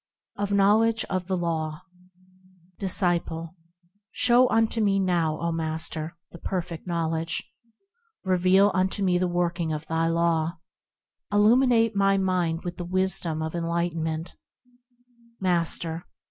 7. Of Knowledge of the Law Disciple. Show unto me now, O Master ! the Perfect Knowledge ; Reveal unto me the working of thy Law ; Illuminate my mind with the wisdom of enlightenment, Master.